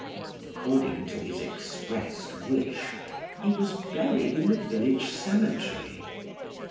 According to his expressed wish, he was buried in the village cemetery.